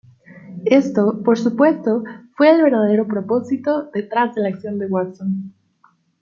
Esto, por supuesto, fue el verdadero propósito detrás de la acción de Watson.